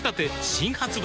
新発売